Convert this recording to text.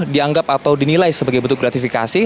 dianggap atau dinilai sebagai bentuk gratifikasi